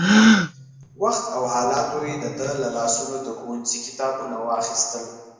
وخت او حالاتو يې د ده له لاسونو د ښوونځي کتابونه واخيستل.